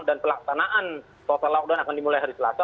dan pelaksanaan total lockdown akan dimulai hari selasa